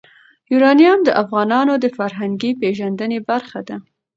یورانیم د افغانانو د فرهنګي پیژندنې برخه ده.